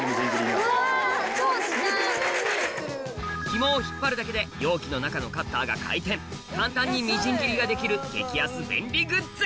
ヒモを引っ張るだけで容器の中のカッターが回転簡単にみじん切りができる激安便利グッズ